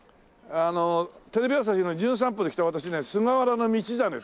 テレビ朝日の『じゅん散歩』で来た私ね菅原道真って。